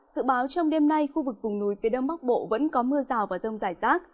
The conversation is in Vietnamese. dự báo trong đêm nay khu vực vùng núi phía đông bắc bộ vẫn có mưa rào và rông rải rác